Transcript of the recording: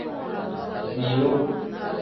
Milu.